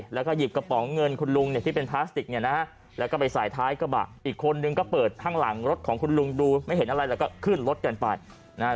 แล้วก็หยิบกระป๋องเงินคุณลุงเนี่ยที่เป็นพลาสติกเนี่ยนะฮะแล้วก็ไปใส่ท้ายกระบะอีกคนนึงก็เปิดข้างหลังรถของคุณลุงดูไม่เห็นอะไรแล้วก็ขึ้นรถกันไปนะฮะ